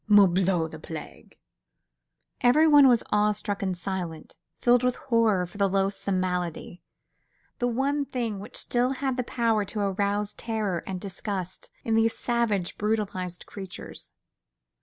"Morbleu! the plague!" Everyone was awe struck and silent, filled with horror for the loathsome malady, the one thing which still had the power to arouse terror and disgust in these savage, brutalised creatures.